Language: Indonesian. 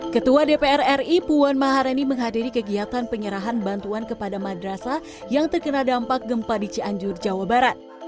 ketua dpr ri puan maharani menghadiri kegiatan penyerahan bantuan kepada madrasa yang terkena dampak gempa di cianjur jawa barat